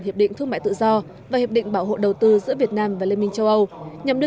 hiệp định thương mại tự do và hiệp định bảo hộ đầu tư giữa việt nam và liên minh châu âu nhằm đưa